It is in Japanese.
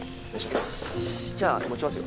じゃあ持ちますよ。